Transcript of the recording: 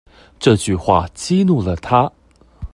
這句話激怒了他